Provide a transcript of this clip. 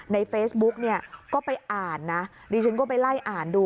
ในเฟซบุ๊กเนี่ยก็ไปอ่านนะดิฉันก็ไปไล่อ่านดู